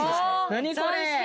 何これ！